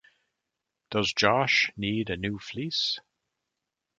Does Josh need a new fleece?